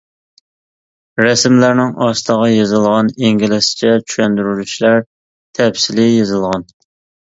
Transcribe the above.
رەسىملەرنىڭ ئاستىغا يېزىلغان ئىنگلىزچە چۈشەندۈرۈشلەر تەپسىلىي يېزىلغان.